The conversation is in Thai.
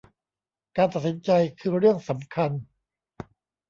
การตัดสินใจคือเรื่องสำคัญ